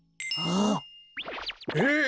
えっ！